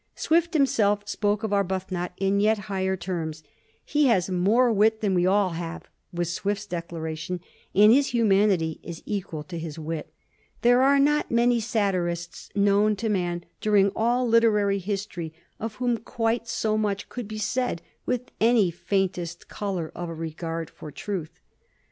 Swift himself spoko of Arbuthnot in yet higher terms. ^^ He has more wit than we all have," was Swift's declaration, '^ and his hu manity is equal to his wit." There are not many satirists known to men during all literary history of whom quite BO much could be said with any faintest color of a regard for truth.